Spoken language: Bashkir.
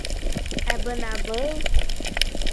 — Ә бына был...